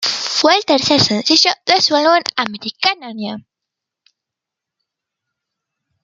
Fue el tercer sencillo de su álbum "Americana".